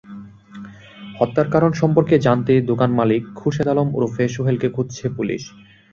হত্যার কারণ সম্পর্কে জানতে দোকানমালিক খোরশেদ আলম ওরফে সোহেলকে খুঁজছে পুলিশ।